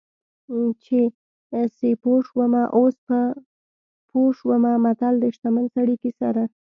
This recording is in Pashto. چې سیپو شومه اوس په پوه شومه متل د شتمن سړي کیسه ده